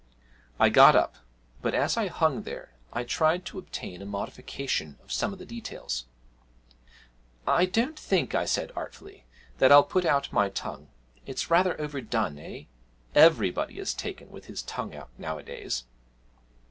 I got up, but, as I hung there, I tried to obtain a modification of some of the details. 'I don't think,' I said artfully, 'that I'll put out my tongue it's rather overdone, eh? Everybody is taken with his tongue out nowadays.'